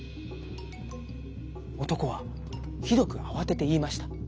おとこはひどくあわてていいました。